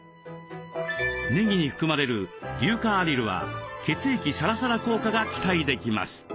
ねぎに含まれる硫化アリルは血液サラサラ効果が期待できます。